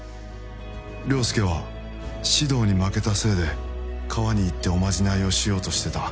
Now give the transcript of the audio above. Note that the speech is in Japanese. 良介はシドーに負けたせいで川に行っておまじないをしようとしてた